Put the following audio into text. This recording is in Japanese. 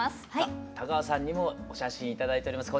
田川さんにもお写真頂いております。